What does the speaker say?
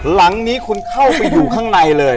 หลังนี้คุณเข้าไปอยู่ข้างในเลย